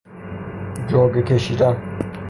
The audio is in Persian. جرگه کشیدن